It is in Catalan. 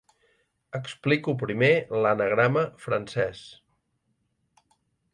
Explico primer l'anagrama francès.